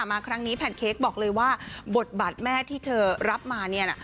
มาครั้งนี้แพนเค้กบอกเลยว่าบทบาทแม่ที่เธอรับมาเนี่ยนะ